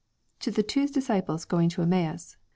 To the two disciples going to Emmaus.